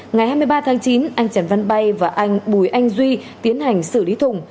ngày hai mươi ba tháng chín anh trần văn bay và anh bùi anh duy tiến hành xử lý thùng